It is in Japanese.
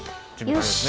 よし。